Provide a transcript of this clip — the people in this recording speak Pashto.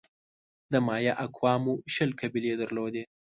د مایا اقوامو شل قبیلې درلودې.